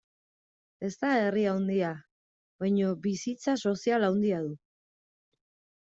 Ez da herri handia, baina bizitza sozial handia du.